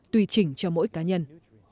tùy chỉnh cho mỗi cá nhân